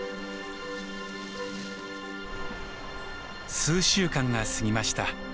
数週間が過ぎました。